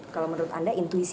kalau menurut anda intuisi